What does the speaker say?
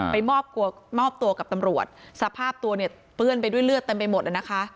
มอบตัวกับตำรวจสภาพตัวเนี่ยเปื้อนไปด้วยเลือดเต็มไปหมดแล้วนะคะ